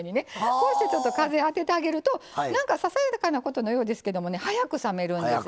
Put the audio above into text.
こうしてちょっと風当ててあげるとなんかささやかなことのようですけどもね早く冷めるんですね。